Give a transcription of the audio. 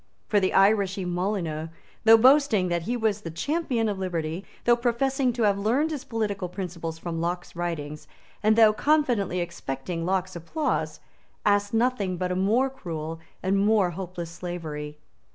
For the Irishry Molyneux, though boasting that he was the champion of liberty, though professing to have learned his political principles from Locke's writings, and though confidently expecting Locke's applause, asked nothing but a more cruel and more hopeless slavery.